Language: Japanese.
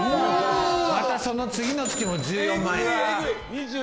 またその次の月も１４万円。